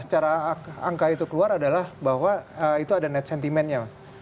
secara angka itu keluar adalah bahwa itu ada net sentimentnya